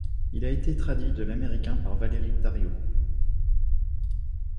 Il a été traduit de l'américain par Valérie Dariot.